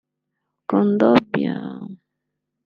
Kondogbia